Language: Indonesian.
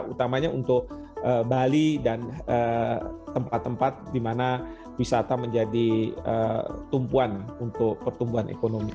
utamanya untuk bali dan tempat tempat di mana wisata menjadi tumpuan untuk pertumbuhan ekonomi